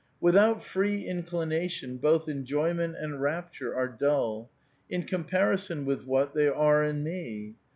Without free inclination, both enjoyment and rapture are dull, in comparison with what they are in me.